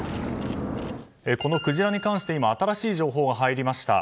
このクジラに関して新しい情報が入りました。